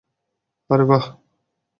আরে, বাহ!